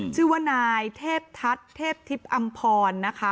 ชื่อว่านายเทพทัศน์เทพทิพย์อำพรนะคะ